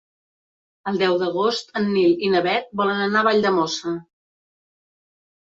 El deu d'agost en Nil i na Bet volen anar a Valldemossa.